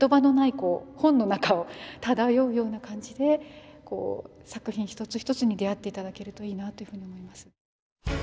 こう本の中を漂うような感じでこう作品一つ一つに出会って頂けるといいなというふうに思います。